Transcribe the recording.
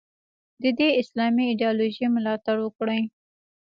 د دې اسلامي ایدیالوژۍ ملاتړ وکړي.